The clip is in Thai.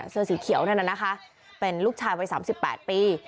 เสื้อสีเขียวนั่นน่ะนะคะเป็นลูกชายวัย๓๘ปี